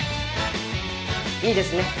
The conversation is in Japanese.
いいですね？